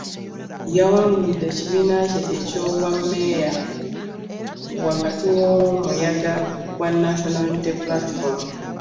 Yawangulidde ekibiina kye eky'obwammeeya wakati w'omuyaga gwa National Unity Platform